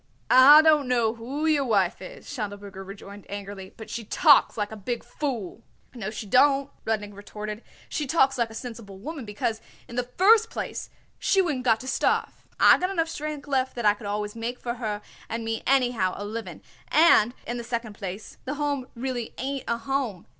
"I don't know who your wife is," Schindelberger rejoined angrily, "but she talks like a big fool." "No, she don't," Rudnik retorted; "she talks like a sensible woman, because, in the first place, she wouldn't got to starve. I got enough strength left that I could always make for her and me anyhow a living, and, in the second place, the Home really ain't a home.